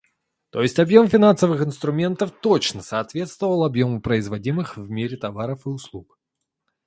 То есть объем финансовых инструментов точно соответствовал объему производимых в мире товаров и услуг.